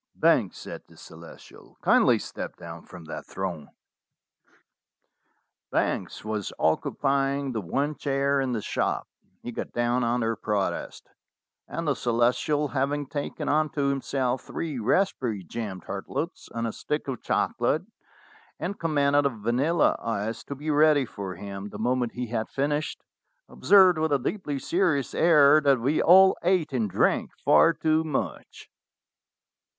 "Banks," said the Celestial, "kindly step down from that throne." 227 228 STORIES WITHOUT TEARS Banks was occupying the one chair in the shop; he got down tinder protest, and the Celestial, having taken unto himself three raspberry jam tartlets and a stick of chocolate, and commanded a vanilla ice to be ready for him the moment he had finished, observed with a deeply serious air that we all ate and drank far too much.